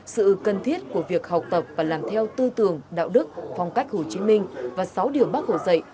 sự cần thiết của việc học tập và làm theo tư tưởng đạo đức phong cách hồ chí minh và sáu điều bác hồ dạy